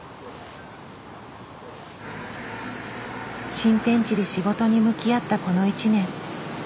新天地で仕事に向き合ったこの１年。